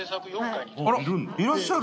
あらっいらっしゃる。